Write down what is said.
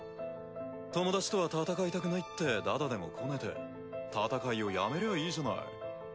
友達とは戦いたくないってだだでもこねて戦いをやめりゃいいじゃない。